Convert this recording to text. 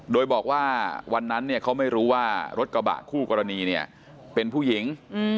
โดยบอกว่าวันนั้นเขาไม่รู้ว่ารถกระบะคู่กรณีเนี่ยเป็นผู้หญิง